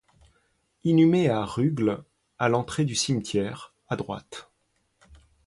Inhumé à Rugles, à l'entrée du cimetière, à droite.